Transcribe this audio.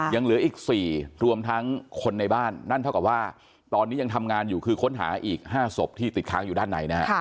ยังเหลืออีก๔รวมทั้งคนในบ้านนั่นเท่ากับว่าตอนนี้ยังทำงานอยู่คือค้นหาอีก๕ศพที่ติดค้างอยู่ด้านในนะฮะ